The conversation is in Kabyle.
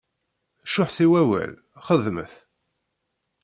Cuḥḥet i wawal, xedmet!